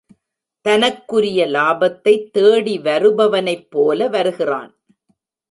தனக்குரிய லாபத்தைத் தேடி வருபவனைப்போல வருகிறான்.